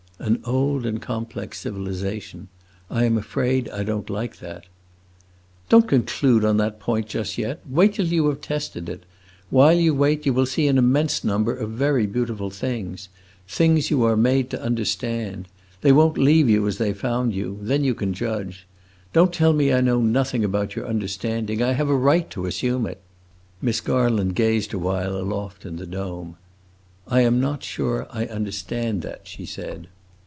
"An old and complex civilization: I am afraid I don't like that." "Don't conclude on that point just yet. Wait till you have tested it. While you wait, you will see an immense number of very beautiful things things that you are made to understand. They won't leave you as they found you; then you can judge. Don't tell me I know nothing about your understanding. I have a right to assume it." Miss Garland gazed awhile aloft in the dome. "I am not sure I understand that," she said.